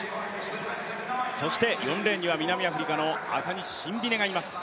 そして４レーンには南アフリカ、アカニ・シンビネがいます。